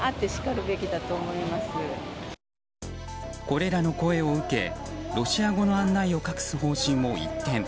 これらの声を受けロシア語の案内を隠す方針を一転